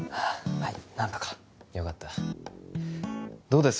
はい何とかよかったどうです？